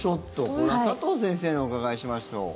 これは佐藤先生にお伺いしましょう。